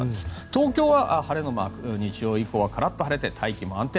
東京は晴れのマーク日曜日以降はカラッと晴れて大気も安定。